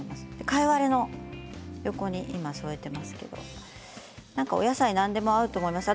貝割れの横に今、添えていますけれどもお野菜何でも合うと思います。